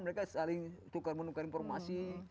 mereka saling tukar menukar informasi